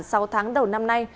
sau tháng đầu năm nay